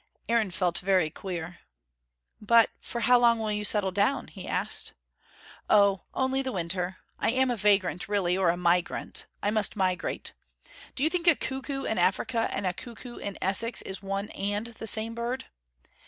Aaron felt very queer. "But for how long will you settle down ?" he asked. "Oh, only the winter. I am a vagrant really: or a migrant. I must migrate. Do you think a cuckoo in Africa and a cuckoo in Essex is one AND the same bird?